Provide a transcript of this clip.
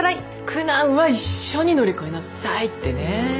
苦難は一緒に乗り越えなさいってね。